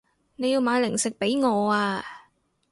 你要買零食畀我啊